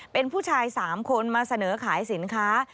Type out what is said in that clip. เป็นผู้ชาย๓คนมาเสนอขายสินค้า